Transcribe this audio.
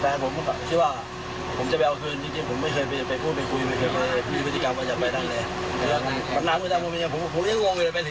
ต่อไปพวกมันก็มีหมาต่อไปมันก็มีสมัยอีกแล้ว